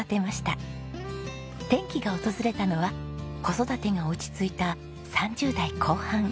転機が訪れたのは子育てが落ち着いた３０代後半。